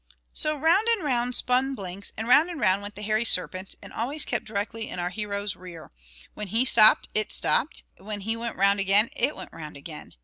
So round and round spun Blinks, and round and round went the hairy serpent, and always kept directly in our hero's rear, when he stopped it stopped, and when he went round again it went round again.